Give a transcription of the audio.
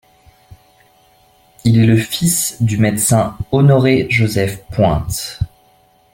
Il est le fils du médecin Honoré-Joseph Pointe.